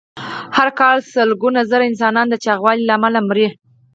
هر کال سلګونه زره انسانان د چاغوالي له امله مري.